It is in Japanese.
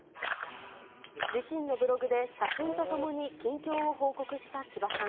自身のブログで写真とともに近況を報告したちばさん。